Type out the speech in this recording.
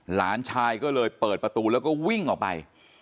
หลานชายก็เลยเปิดประตูแล้วก็วิ่งออกไป